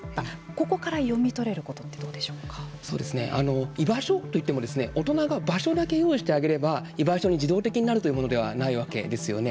ここから読み取れることって居場所といっても大人が場所だけ用意してあげれば居場所に自動的になるというものではないわけですよね。